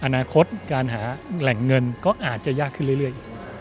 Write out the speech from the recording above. อนาคตการหาแหล่งเงินก็อาจจะยากขึ้นเรื่อย